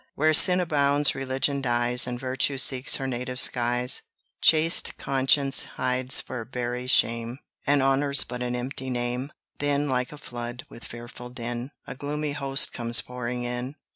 Where Sin abounds Religion dies, And Virtue seeks her native skies; Chaste Conscience hides for very shame, And Honour's but an empty name. Then, like a flood, with fearful din, A gloomy host comes pouring in.